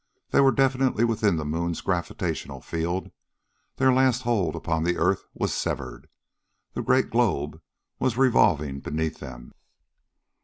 They were definitely within the moon's gravitational field; their last hold upon the earth was severed. The great globe was revolving beneath them.